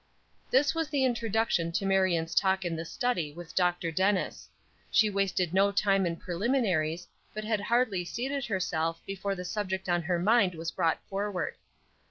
This was the introduction to Marion's talk in the study with Dr. Dennis. She wasted no time in preliminaries, but had hardly seated herself before the subject on her mind was brought forward.